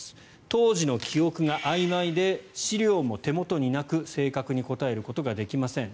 当時の記憶があいまいで資料も手元になく正確に答えることができません